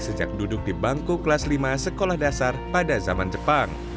sejak duduk di bangku kelas lima sekolah dasar pada zaman jepang